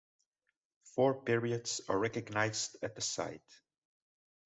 Four periods are recognized at the site.